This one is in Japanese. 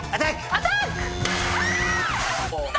アタック！